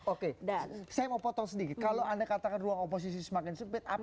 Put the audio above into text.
oke saya mau potong sedikit kalau anda katakan ruang oposisi semakin sempit